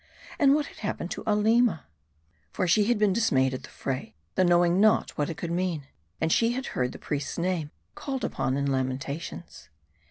And what had happened to Aleema ? For she had been dismayed at the fray, though knowing not what it could mean ; and she had heard the priest's name called upon in lamentations.